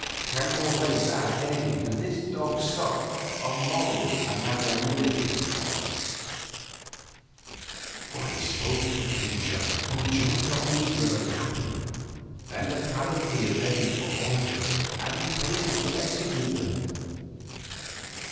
Can your race add anything to this dog's stock of morals and magnanimities?" He spoke to the creature, who jumped up, eager and happy, and apparently ready for orders and impatient to execute them.